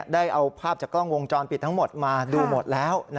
ได้เอาภาพจากกล้องวงจรปิดทั้งหมดมาดูหมดแล้ว